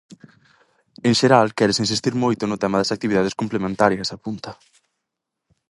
"En xeral quérese insistir moito no tema das actividades complementarias", apunta.